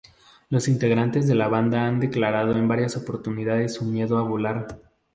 Los integrantes de la banda han declarado en varias oportunidades su miedo a volar.